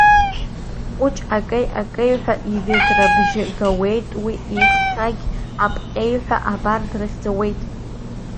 Кәыҷ акеҩ-акеҩҳәа, иведрабжь гауеит, уи ихаҭагь апҟеҩҳәа абар, дрыхьӡауеит!